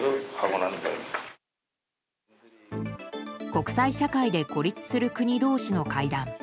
国際社会で孤立する国同士の会談。